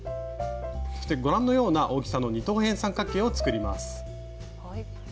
そしてご覧のような大きさの二等辺三角形を作ります。